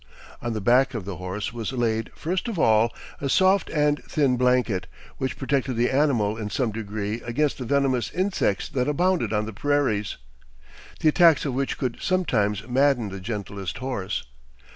On the back of the horse was laid, first of all, a soft and thin blanket, which protected the animal in some degree against the venomous insects that abounded on the prairies, the attacks of which could sometimes madden the gentlest horse.